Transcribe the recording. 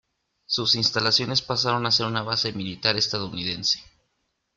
Sus instalaciones pasaron a ser una base militar estadounidense.